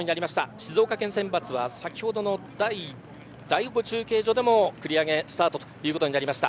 静岡県学生選抜は先ほどの第５中継所でも繰り上げスタートでした。